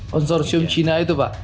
konsorsium cina itu pak